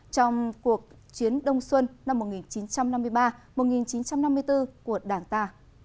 trong cuộc chiến đông xuân năm một nghìn chín trăm năm mươi ba một nghìn chín trăm năm mươi bốn của đảng ta